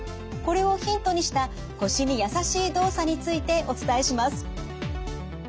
これをヒントにした腰に優しい動作についてお伝えします。